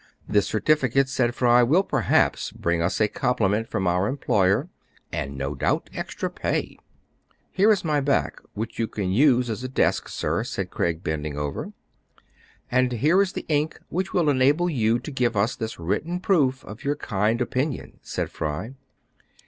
"This certificate," said Fry, "will perhaps bring us a compliment from our employer, and, no doubt, extra pay." " Here is my back, which you can use as a desk, sir," said Craig, bending over. 256 TRIBULATIONS OF A CHINAMAN. "And here is the ink which will enable you to give u5 this written proof of your kind opinion," said Fry.